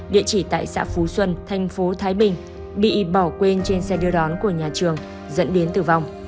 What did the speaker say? địa chỉ tại xã phú xuân thành phố thái bình bị bỏ quên trên xe đưa đón của nhà trường dẫn đến tử vong